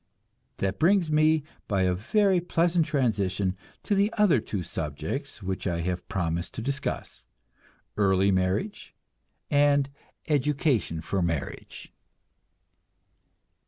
That brings me, by a very pleasant transition, to the other two subjects which I have promised to discuss: early marriage and education for marriage.